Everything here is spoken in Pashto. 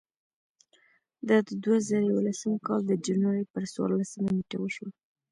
دا د دوه زره یولسم کال د جنورۍ پر څوارلسمه نېټه وشوه.